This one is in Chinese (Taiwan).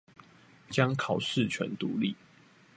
將考試權獨立